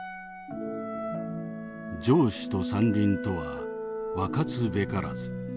「城市と山林とは分かつべからず。